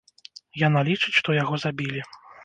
Яна лічыць, што яго забілі.